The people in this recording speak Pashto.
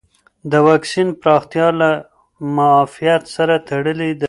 د واکسین پراختیا له معافیت سره تړلې ده.